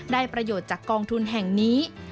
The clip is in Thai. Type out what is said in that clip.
ได้ประโยชน์จากกองทุนแห่งนี้